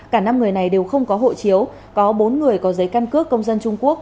cả năm người này đều không có hộ chiếu có bốn người có giấy căn cước công dân trung quốc